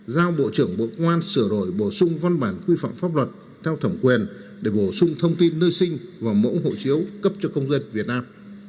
giao bộ trưởng bộ công an sửa đổi bổ sung văn bản quy phạm pháp luật theo thẩm quyền để bổ sung thông tin nơi sinh và mẫu hộ chiếu cấp cho công dân việt nam